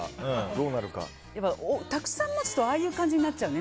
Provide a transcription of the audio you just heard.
やっぱたくさん持つとああいう感じになっちゃうね。